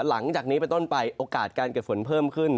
หลังจากนี้ไปต้นไปโอกาสการเกิดฝนเพิ่มขึ้น